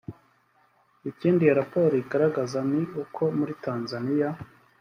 Ikindi iyo raporo igaragaza ni uko muri Tanzaniya